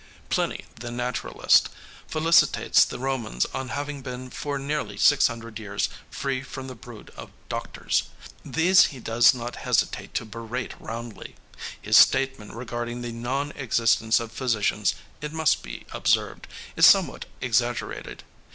Pliny, the naturalist, felicitates the Romans on having been for nearly six hundred years free from the brood of doctors. These he does not hesitate to berate roundly. His statement regarding the non existence of physicians, it must be observed, is somewhat exaggerated.